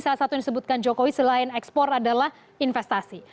salah satu yang disebutkan jokowi selain ekspor adalah investasi